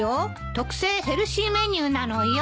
特製ヘルシーメニューなのよ。